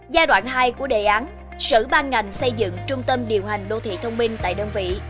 giai đoạn hai của đề án sở ban ngành xây dựng trung tâm điều hành đô thị thông minh tại đơn vị